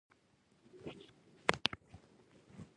هغوی باور لري، چې خدای د انسان د ژغورلو لپاره قرباني شو.